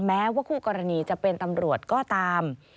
แม้ว่าคู่กรณีจะเป็นตำรวจก็ตาม